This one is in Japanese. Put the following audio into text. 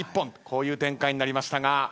こういう展開になりましたが。